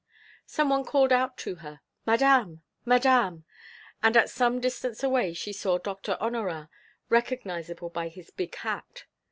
Some one called out to her: "Madame, Madame!" And, at some distance away, she saw Doctor Honorat, recognizable by his big hat.